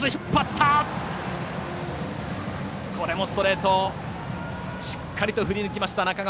ストレート、しっかりと振り抜きました、中川。